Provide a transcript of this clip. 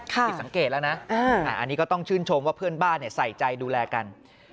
ผิดสังเกตแล้วนะอันนี้ก็ต้องชื่นชมว่าเพื่อนบ้านใส่ใจดูแลกัน